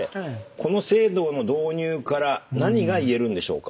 この制度の導入から何が言えるんでしょうか？